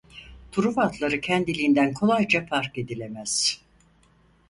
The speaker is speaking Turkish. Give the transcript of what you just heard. Truva atları kendiliğinden kolayca fark edilemez.